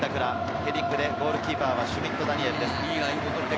ヘディングでゴールキーパーのシュミット・ダニエルです。